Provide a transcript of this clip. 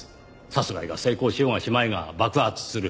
殺害が成功しようがしまいが爆発する。